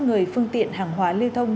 người phương tiện hàng hóa lưu thông